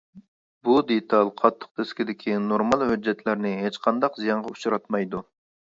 بۇ دېتال قاتتىق دىسكىدىكى نورمال ھۆججەتلەرنى ھېچقانداق زىيانغا ئۇچراتمايدۇ.